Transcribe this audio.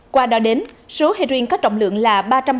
qua đó đến số heroin có trọng lượng là